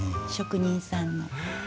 職人さんの。